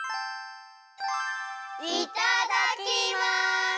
いただきます！